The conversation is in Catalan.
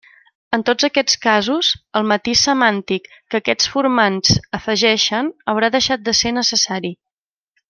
En tots aquests casos el matís semàntic que aquests formants afegeixen haurà deixat de ser necessari.